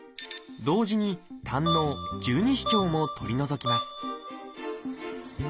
同時に胆のう十二指腸も取り除きます